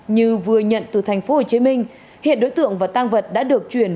như vừa nhận từ thành phố hồ chí minh hiện đối tượng và tăng vật đã được chuyển